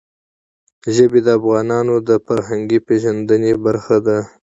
ژبې د افغانانو د فرهنګي پیژندنې برخه ده.